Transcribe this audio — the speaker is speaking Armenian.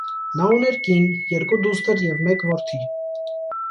Նա ուներ կին, երկու դուստր և մեկ որդի։